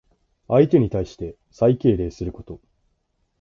相手に対して最敬礼すること。